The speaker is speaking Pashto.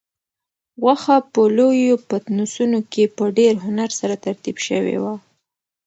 غوښه په لویو پتنوسونو کې په ډېر هنر سره ترتیب شوې وه.